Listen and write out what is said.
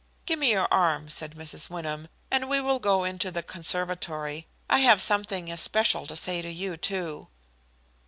"Give me your arm," said Mrs. Wyndham, "and we will go into the conservatory. I have something especial to say to you, too."